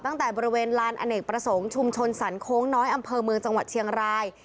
ตั้งแต่บริเวณลานอเนกประสงค์ชุมชนสรรโค้งน้อยอำเภอเมืองจังหวัดเชียงราย